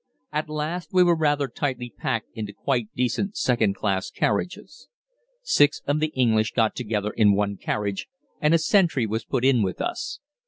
At last we were rather tightly packed into quite decent second class carriages. Six of the English got together in one carriage, and a sentry was put in with us.